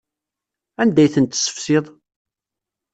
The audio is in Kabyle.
Anda ay tent-tessefsiḍ?